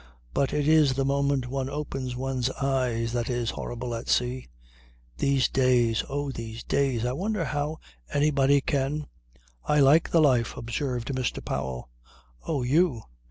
"But it is the moment one opens one's eyes that is horrible at sea. These days! Oh, these days! I wonder how anybody can ..." "I like the life," observed Mr. Powell. "Oh, you.